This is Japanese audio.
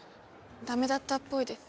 駄目だったっぽいです。